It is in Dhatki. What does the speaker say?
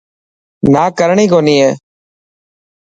نا ڪرڻي ڪونهي هي.